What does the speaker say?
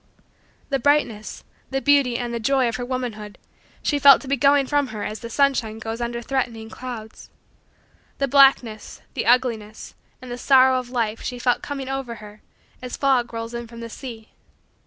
The brightness, the beauty, and the joy, of her womanhood, she felt to be going from her as the sunshine goes under threatening clouds. The blackness, the ugliness, and the sorrow, of life, she felt coming over her as fog rolls in from the sea.